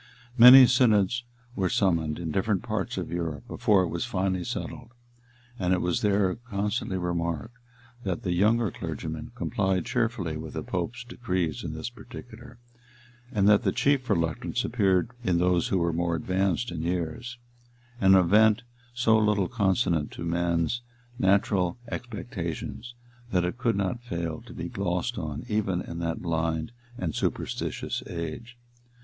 Many synods were summoned in different parts of Europe before it was finally settled; and it was there constantly remarked, that the younger clergymen complied cheerfully with the pope's decrees in this particular, and that the chief reluctance appeared in those who were more advanced in years; an event so little consonant to men's natural expectations, that it could not fail to be glossed on even in that blind and superstitious age.